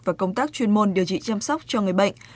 và công tác chuyên môn điều trị chăm sóc cho người bệnh